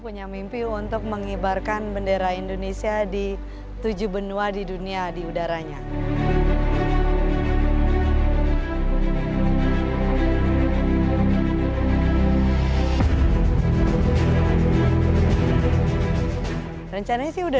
naila novaranti penerjun wanita indonesia